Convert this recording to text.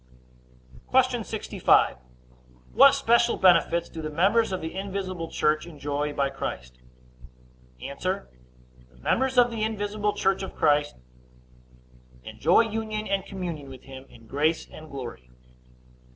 Q. 65. What special benefits do the members of the invisible church enjoy by Christ? A. The members of the invisible church by Christ enjoy union and communion with him in grace and glory.